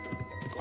あ？